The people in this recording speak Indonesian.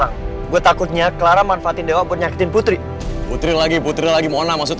gue juga deket ke arah sana kok